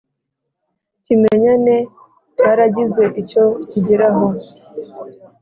kimenyane cyaragize icyo kigeraho